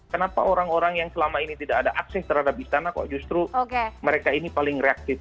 kenapa orang orang yang selama ini tidak ada akses terhadap istana kok justru mereka ini paling reaktif